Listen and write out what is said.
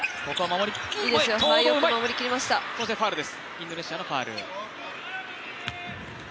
インドネシアのファウルです。